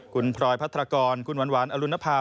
คุณพลอยพัทรกรคุณหวานอรุณภาพ